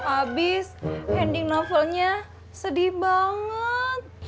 abis ending novelnya sedih banget